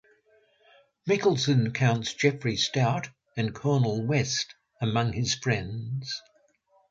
Michalson counts Jeffrey Stout and Cornel West among his friends.